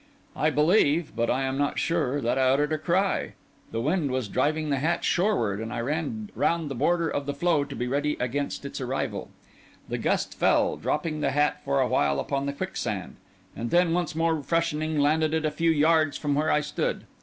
I believe, but I am not sure, that I uttered a cry. The wind was driving the hat shoreward, and I ran round the border of the floe to be ready against its arrival. The gust fell, dropping the hat for a while upon the quicksand, and then, once more freshening, landed it a few yards from where I stood.